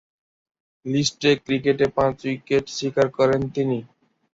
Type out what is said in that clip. List A ক্রিকেটে পাঁচ wicket শিকার করেন তিনি।